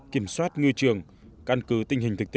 kiểm soát ngư trường căn cứ tình hình thực tế